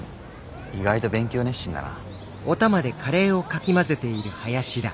意外と勉強熱心だな。